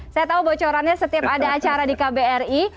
saya tahu bocorannya setiap ada acara di kbri